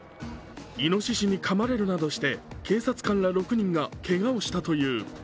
いのししにかまれるなどして警察官ら６人がけがをしたという。